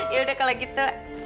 yaudah kalau gitu